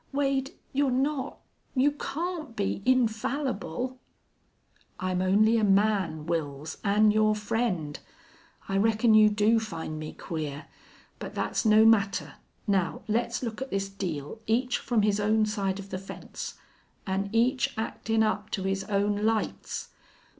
Wade, you're not you can't be infallible!" "I'm only a man, Wils, an' your friend. I reckon you do find me queer. But that's no matter. Now let's look at this deal each from his own side of the fence. An' each actin' up to his own lights!